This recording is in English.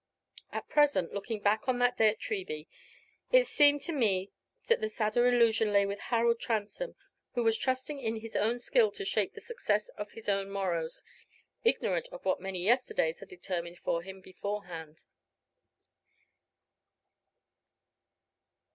At present, looking back on that day at Treby, it seem to me that the sadder illusion lay with Harold Transome, who was trusting in his own skill to shape the success of his own morrows, ignorant of what many yesterdays had determined for him beforehand.